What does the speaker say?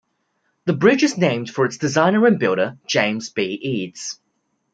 The bridge is named for its designer and builder, James B. Eads.